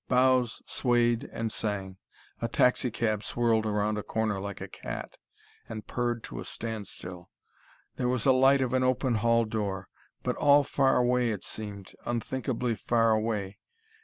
Boughs swayed and sang. A taxi cab swirled round a corner like a cat, and purred to a standstill. There was a light of an open hall door. But all far away, it seemed, unthinkably far away.